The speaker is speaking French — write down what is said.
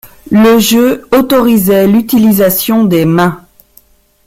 Le jeu autorisait l'utilisation des mains.